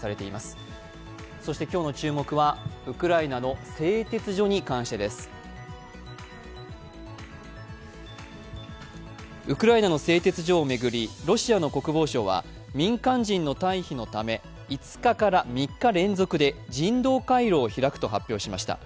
ウクライナの製鉄所を巡り、ロシアの国防省は民間人の退避のため、５日から３日連続で人道回廊を開くと発表しました。